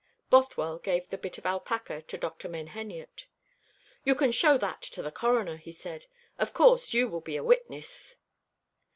Bothwell gave the bit of alpaca to Dr. Menheniot. "You can show that to the Coroner," he said; "of course, you will be a witness."